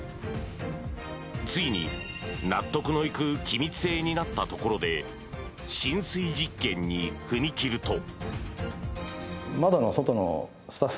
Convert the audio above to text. ついに、納得のいく気密性になったところで浸水実験に踏み切ると。